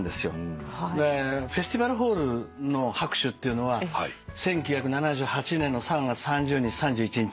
フェスティバルホールの拍手っていうのは１９７８年の３月３０日３１日。